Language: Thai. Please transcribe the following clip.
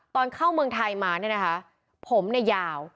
ตอนเข้าเมืองไทยมาผมยาว